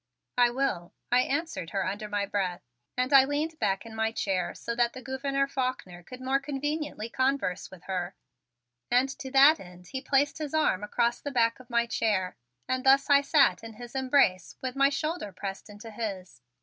"I will," I answered her under my breath, and I leaned back in my chair so that the Gouverneur Faulkner could more conveniently converse with her. And to that end he placed his arm across the back of my chair, and thus I sat in his embrace with my shoulder pressed into his.